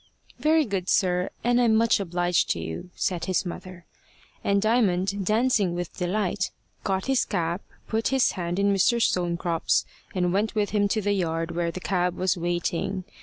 "Very good, sir. And I'm much obliged to you," said his mother. And Diamond, dancing with delight, got his cap, put his hand in Mr. Stonecrop's, and went with him to the yard where the cab was waiting.